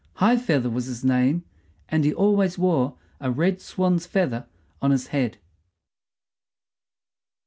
High feather was his name, and he always wore a red swan's feather on his head.